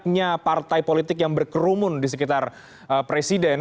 banyaknya partai politik yang berkerumun di sekitar presiden